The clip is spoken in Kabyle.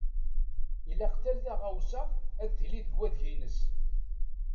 Ilaq tal taɣawsa ad tili deg wadeg-ines.